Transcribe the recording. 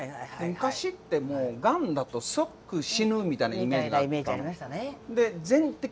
昔ってもうがんだと即死ぬみたいなイメージがあって。